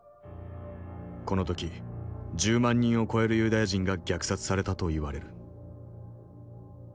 この時１０万人を超えるユダヤ人が虐殺されたといわれる。